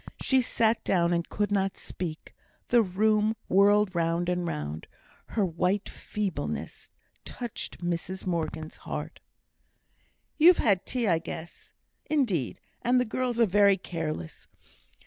She sat down and could not speak the room whirled round and round her white feebleness touched Mrs Morgan's heart. "You've had no tea, I guess. Indeed, and the girls are very careless."